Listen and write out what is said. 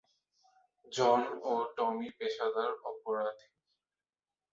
জন ও টমি তখন পেশাদার অপরাধী।